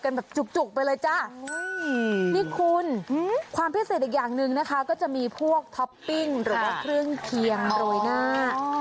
นี่คุณความพิเศษอีกอย่างหนึ่งนะคะก็จะมีพวกท็อปปิ้งหรือเครื่องเคียงโดยหน้า